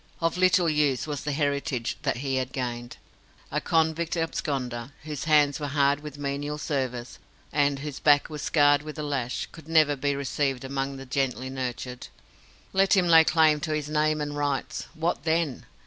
Of little use was the heritage that he had gained. A convict absconder, whose hands were hard with menial service, and whose back was scarred with the lash, could never be received among the gently nurtured. Let him lay claim to his name and rights, what then?